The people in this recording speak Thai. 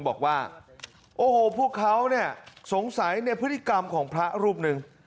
บอกว่าโอ้โหพวกเขาเนี่ยสงสัยในพฤติกรรมของพระรูปหนึ่ง